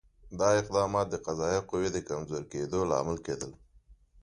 دا اقدامات د قضایه قوې د کمزوري کېدو لامل کېدل.